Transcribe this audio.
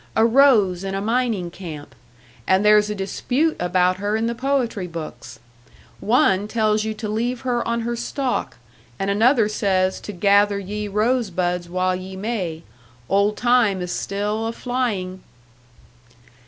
A rose in a mining camp and there's a dispute about her in the poetry books. One tells you to leave her on her stalk, and another says to gather ye rosebuds while ye may, old time is still a flying!"